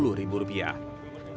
imam suripto brebes jawa tengah